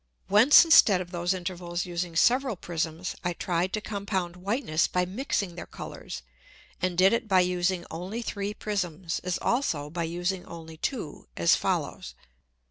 Whence instead of those Intervals using several Prisms, I try'd to compound Whiteness by mixing their Colours, and did it by using only three Prisms, as also by using only two as follows.